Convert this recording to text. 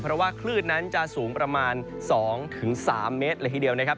เพราะว่าคลื่นนั้นจะสูงประมาณ๒๓เมตรเลยทีเดียวนะครับ